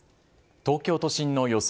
東京都心の予想